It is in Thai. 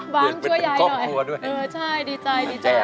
แบบช่วยยายหน่อยะบังเห็นเป็นคลอบคลัวด้วย